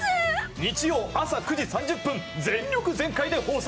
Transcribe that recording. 日曜朝９時３０分全力全開で放送！